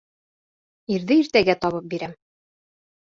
Ирҙе иртәгә табып бирәм.